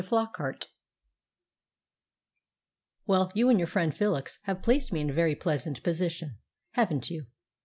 FLOCKART "Well, you and your friend Felix have placed me in a very pleasant position, haven't you?"